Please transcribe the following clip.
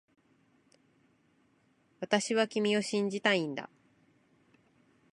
私は君を信じたいんだ